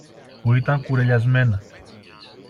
που ήταν κουρελιασμένα